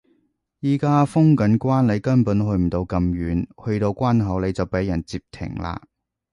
而家封緊關你根本去唔到咁遠，去到關口你就畀人截停啦